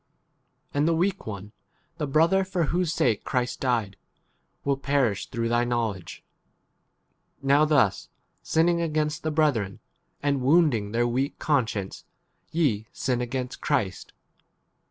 and the weak [one], the brother for whose sake Christ died, will perish through 1 * 12 thy knowledge. Now, thus sin ning against the brethren, and wounding their weak conscience, 13 ye sin against Christ.